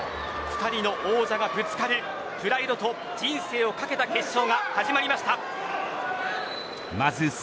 ２人の王者がぶつかるプライドと人生を懸けた決勝が始まりました。